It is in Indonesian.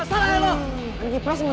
saya sang di coaching team johannes carl